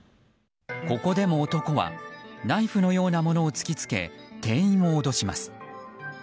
ここでも、男はナイフのようなものを突きつけ店員を脅します。